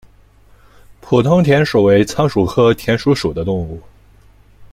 普通田鼠为仓鼠科田鼠属的动物。